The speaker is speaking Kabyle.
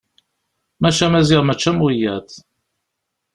Maca Maziɣ mačči am wiyaḍ.